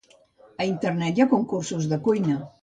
A internet hi ha concursos de cuina